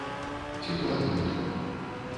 Ці то ад ветру.